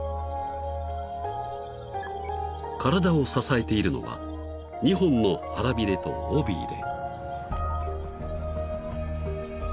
［体を支えているのは２本の腹びれと尾びれ］